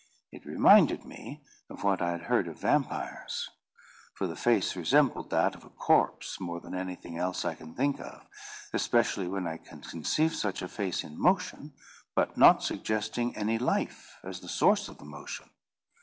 It reminded me of what I had heard of vampires; for the face resembled that of a corpse more than anything else I can think of; especially when I can conceive such a face in motion, but not suggesting any life as the source of the motion.